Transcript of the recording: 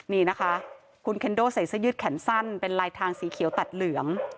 นี่นะคะคุณเคนโดใส่เสื้อยืดแขนสั้นเป็นลายทางสีเขียวตัดเหลือง